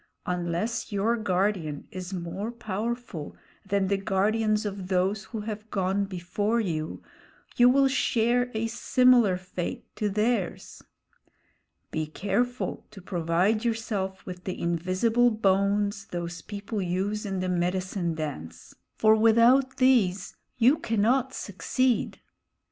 Unless your guardian is more powerful than the guardians of those who have gone before you, you will share a similar fate to theirs. Be careful to provide yourself with the invisible bones those people use in the medicine dance, for without these you cannot succeed."